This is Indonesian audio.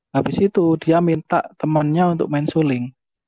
habis itu dia minta temannya untuk main suling